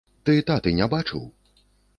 Ты таты не бачыў?